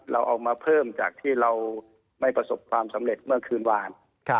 เราเอามาเพิ่มจากที่เราไม่ประสบความสำเร็จเมื่อคืนวาน